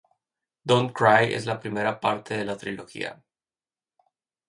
Don't Cry es la primera parte de la trilogía.